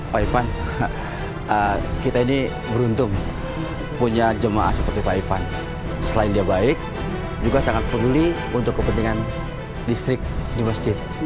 pak ivan kita ini beruntung punya jemaah seperti pak ivan selain dia baik juga sangat peduli untuk kepentingan listrik di masjid